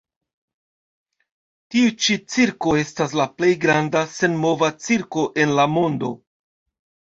Tiu ĉi cirko estas la plej granda senmova cirko en la mondo.